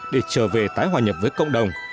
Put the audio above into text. để trở về tái hòa nhập với cộng đồng